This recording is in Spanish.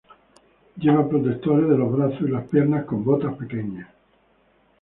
Lleva protectores de los brazos y las piernas con botas pequeñas.